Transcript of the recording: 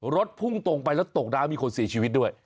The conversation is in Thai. รถพุ่งตรงไปแล้วตกน้ำมีคนเสียชีวิตด้วย